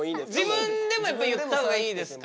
自分でもやっぱ言った方がいいですか？